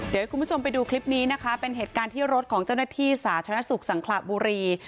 เดี๋ยวให้คุณผู้ชมไปดูคลิปนี้นะคะเป็นเหตุการณ์ที่รถของเจ้าหน้าที่สาธารณสุขสังขระบุรี